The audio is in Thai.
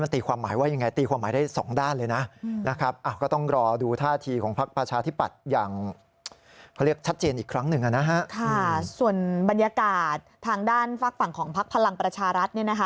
ส่วนบรรยากาศทางด้านฝากฝั่งของพักพลังประชารัฐ